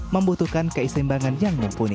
membutuhkan keisimbangan yang mumpuni